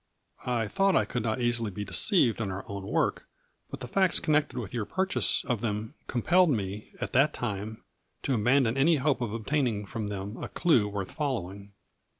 I thought I could not easily be deceived in our own work, but the facts con nected with your purchase of them compelled me, at that time, to abandon any hope of ob taining from them a clue worth following.